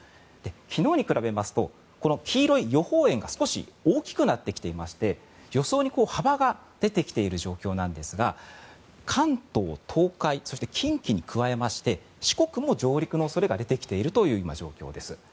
昨日に比べますと黄色い予報円が少し大きくなってきていまして予想に幅が出てきている状況なんですが関東、東海、近畿に加えまして四国も上陸の恐れが出てきている状況です。